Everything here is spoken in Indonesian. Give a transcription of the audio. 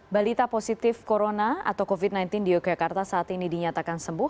balita positif corona atau covid sembilan belas di yogyakarta saat ini dinyatakan sembuh